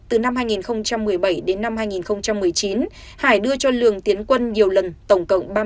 từ năm hai nghìn một mươi bảy đến năm hai nghìn một mươi chín hải đưa cho lường tiến quân nhiều lần tổng cộng ba mươi năm usd